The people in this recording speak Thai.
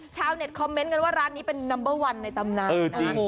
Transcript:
ชาวเน็ตคอมเมนต์กันว่าร้านนี้เป็นนัมเบอร์วันในตำนานนะฮะ